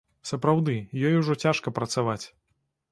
Сапраўды, ёй ужо цяжка працаваць.